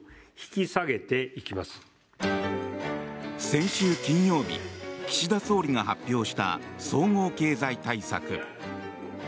先週金曜日岸田総理が発表した総合経済対策。